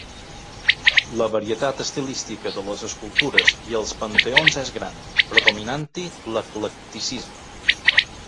La varietat estilística de les escultures i els panteons és gran, predominant-hi l'eclecticisme.